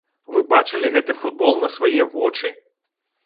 Вы бачылі гэты футбол на свае вочы?